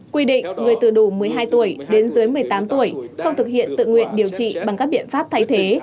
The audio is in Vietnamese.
quy định người từ đủ một mươi hai tuổi đến dưới một mươi tám tuổi không thực hiện tự nguyện điều trị bằng các biện pháp thay thế